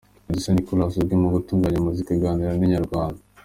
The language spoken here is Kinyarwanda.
Producer Nicolas uzwi mu gutunganya muzika, aganira na Inyarwanda.